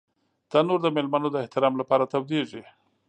تنور د مېلمنو د احترام لپاره تودېږي